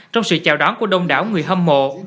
trong sự chào đón của đông đảo người hâm mộ